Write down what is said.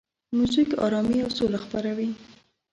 موزیک آرامي او سوله خپروي.